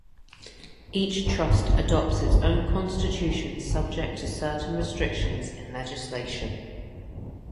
Each Trust adopts its own constitution subject to certain restrictions in legislation.